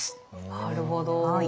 なるほど。